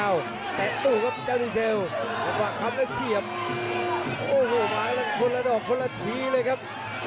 ระวังครับมีตากล้างเหนือเกี่ยวโอโหมาแล้วคนละดอกคนละทีเลยครับ